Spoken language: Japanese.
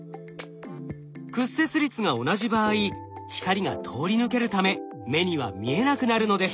屈折率が同じ場合光が通り抜けるため目には見えなくなるのです。